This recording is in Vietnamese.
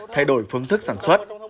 thay đổi phương thức sản xuất